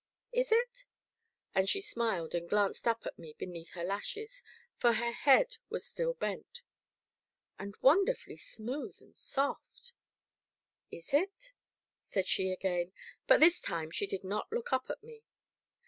"Is it?" and she smiled and glanced up at me beneath her lashes, for her head was still bent. "And wonderfully smooth and soft!" "Is it?" said she again, but this time she did not look up at me.